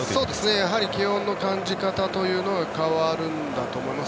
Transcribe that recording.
やはり気温の感じ方というのが変わるんだと思います。